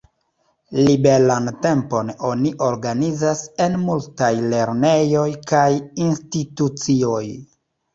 Liberan tempon oni organizas en multaj lernejoj kaj institucioj.